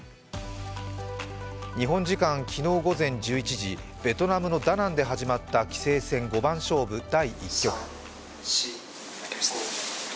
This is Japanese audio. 日本時間昨日午前１１時、ベトナムのダナンで始まった棋聖戦五番勝負第１局。